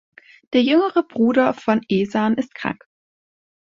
Der jüngere Bruder von Ehsan ist krank.